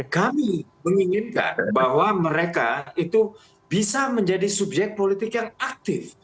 dan kami menginginkan bahwa mereka itu bisa menjadi subjek politik yang aktif